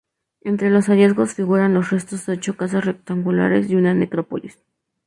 Entre los hallazgos figuran los restos de ocho casas rectangulares y una necrópolis.